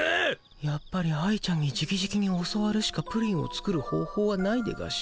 やっぱり愛ちゃんにじきじきに教わるしかプリンを作る方ほうはないでガシ。